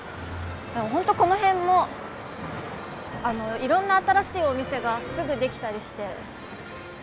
本当この辺もいろんな新しいお店がすぐ出来たりして。